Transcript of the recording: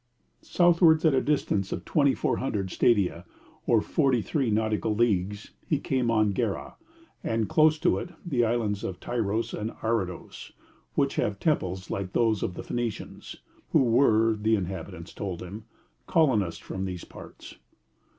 Southwards, at a distance of 2,400 stadia, or 43 nautical leagues, he came on Gerrha, and, close to it, the islands of Tyros and Arados, 'which have temples like those of the Phoenicians,' who were (the inhabitants told him) colonists from these parts.